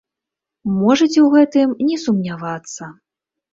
Можаце ў гэтым не сумнявацца.